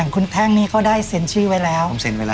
ขั้งนี้เขาได้เซ็นชื่อไว้แล้ว